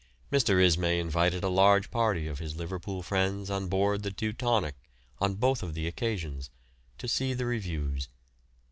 Mr. Ismay invited a large party of his Liverpool friends on board the "Teutonic" on both of the occasions to see the reviews.